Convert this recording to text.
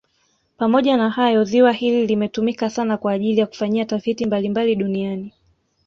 Pamoja na hayo ziwa hili limetumika sana kwa ajili ya kufanyia tafiti mbalimbali duniani